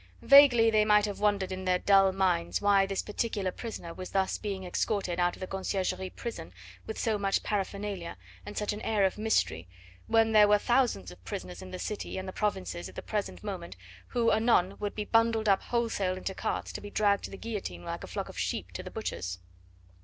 Vaguely they might have wondered in their dull minds why this particular prisoner was thus being escorted out of the Conciergerie prison with so much paraphernalia and such an air of mystery, when there were thousands of prisoners in the city and the provinces at the present moment who anon would be bundled up wholesale into carts to be dragged to the guillotine like a flock of sheep to the butchers.